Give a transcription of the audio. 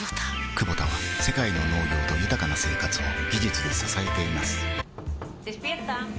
クボタは世界の農業と豊かな生活を技術で支えています起きて。